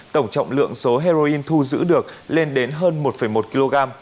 tổng trọng lượng số heroin thu giữ được lên đến hơn một một kg